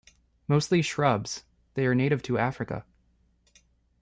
Mostly shrubs, they are native to Africa.